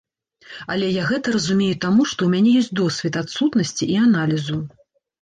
Але я гэта разумею таму, што ў мяне ёсць досвед адсутнасці і аналізу.